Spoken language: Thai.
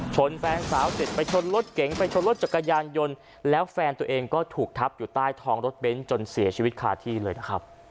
แฟนสาวเสร็จไปชนรถเก๋งไปชนรถจักรยานยนต์แล้วแฟนตัวเองก็ถูกทับอยู่ใต้ท้องรถเบ้นจนเสียชีวิตคาที่เลยนะครับ